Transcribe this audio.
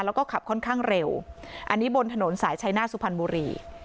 แล้วก็ขับค่อนข้างเร็วอันนี้บนถนนสายชัยหน้าสุพรรณบุรี